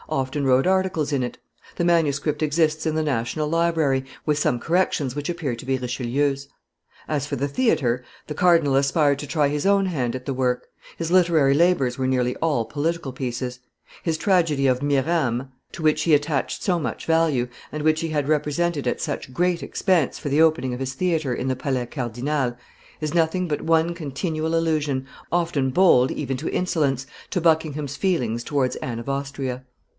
often wrote articles in it; the manuscript exists in the National Library, with some corrections which appear to be Richelieu's. As for the theatre, the cardinal aspired to try his own hand at the work; his literary labors were nearly all political pieces; his tragedy of Mirame, to which he attached so much value, and which he had represented at such great expense for the opening of his theatre in the Palais Cardinal, is nothing but one continual allusion, often bold even to insolence, to Buckingham's feelings towards Anne of Austria.